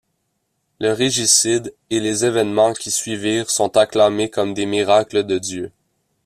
Le régicide et les événements qui suivirent sont acclamés comme des miracles de Dieu.